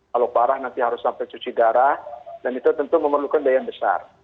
kalau parah nanti harus sampai cuci darah dan itu tentu memerlukan daya yang besar